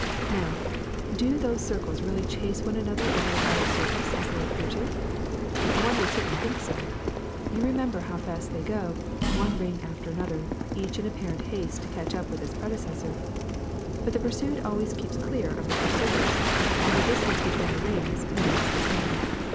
^*Now, do those circles really chase one another over the water's surface as they appear to? One would certainly think so. You remember how fast they go, one ring after another, each in apparent haste to catch up with its predecessor. But the pur sued always keep clear of the pursuers, and the dis tance between the rings remains the same.